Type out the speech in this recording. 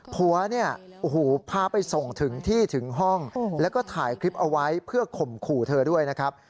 ผัวพาไปส่งที่ถึงห้องแล้วก็ถ่ายคลิปเอาไว้เพื่อข่มขู่เธอด้วยนะครับ